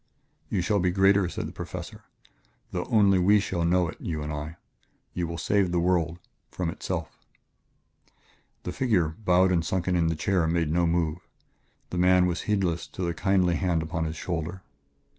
"You shall be greater," said the Professor, "though only we shall know it you and I.... You will save the world from itself." The figure, bowed and sunken in the chair, made no move; the man was heedless of the kindly hand upon his shoulder.